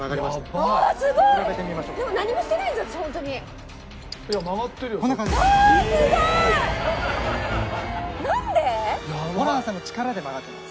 ああすごい！ホランさんの力で曲がってます。